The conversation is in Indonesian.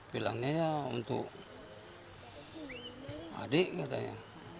bilangnya untuk adik katanya